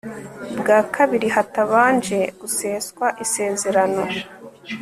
bwa kabiri hatabanje guseswa isezerano